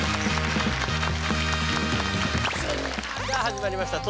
さあ始まりました